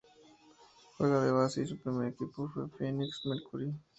Juega de "base" y su primer equipo fue Phoenix Mercury.